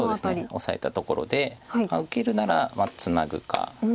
オサえたところで受けるならツナぐか。